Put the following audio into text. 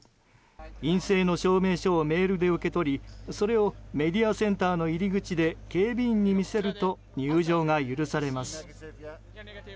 陰性の証明書をメールで受け取りそれをメディアセンターの入り口で警備員に見せると入場が許されます。